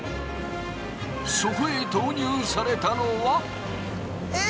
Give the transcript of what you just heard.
そこへ投入されたのは。え！？